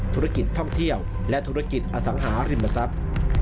ธุรกิจท่องเที่ยวและธุรกิจอสังหาริมทรัพย์